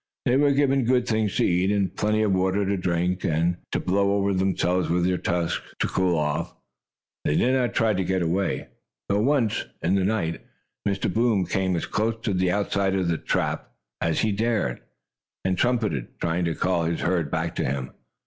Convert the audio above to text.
They were given good things to eat, and plenty of water to drink, and to blow over themselves with their trunks, to cool off. They did not try to get away, though once, in the night, Mr. Boom came as close to the outside of the trap, or stockade, as he dared, and trumpeted, trying to call his herd back to him.